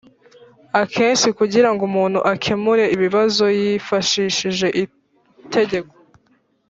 Akenshi kugira ngo umuntu akemure ibibazo yi- fashishije itegeko